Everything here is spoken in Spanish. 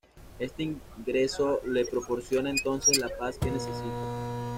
Este ingreso le proporciona entonces la paz que necesita.